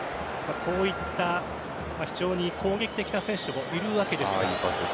こういった非常に攻撃的な選手もいるわけですが。